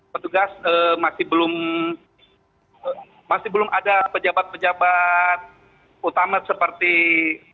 petugas masih belum ada pejabat pejabat utama seperti kapol restabias